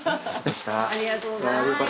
ありがとうございます。